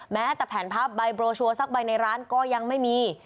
แม้แต่แผนพับใบโรชัวร์สักใบในร้านก็ยังไม่มี